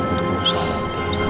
untuk usaha untuk usaha camp